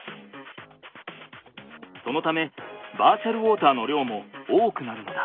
そのためバーチャルウォーターの量も多くなるのだ。